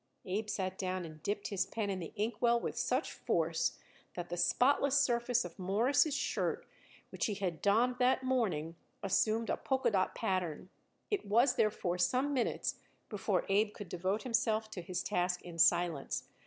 Abe sat down and dipped his pen in the inkwell with such force that the spotless surface of Morris' shirt, which he had donned that morning, assumed a polkadot pattern. It was, therefore, some minutes before Abe could devote himself to his task in silence.